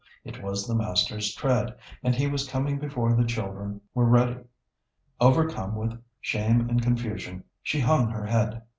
it was the Master's tread, and He was coming before the children were ready. Overcome with shame and confusion she hung her head.